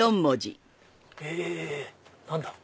え何だ？